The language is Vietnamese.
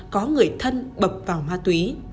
có người thân bập vào ma túy